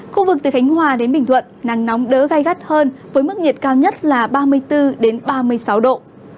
khu vực từ khánh hòa đến bình thuận nắng nóng đỡ gai gắt hơn với mức nhiệt cao nhất là ba mươi bốn ba mươi sáu độ